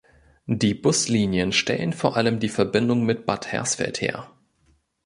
Die Buslinien stellen vor allem die Verbindung mit Bad Hersfeld her.